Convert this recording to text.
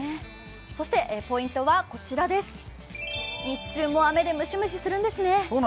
そしてポイントは日中も雨でムシムシするんですね。